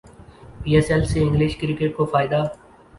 پی S L سے English cricket کو فائدہ